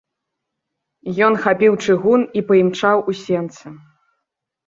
Ён хапіў чыгун і паімчаў у сенцы.